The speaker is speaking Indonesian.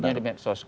ributnya di medsos